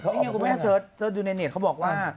นี่ไงคุณแม่เสิร์ชยูเนเต็ตเขาบอกว่า